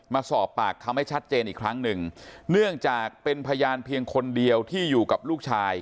มาสอบปากคำให้ชัดเจนอีกครั้งหนึ่งเนื่องจากเป็นพยานเพียงคนเดียวที่อยู่กับลูกชาย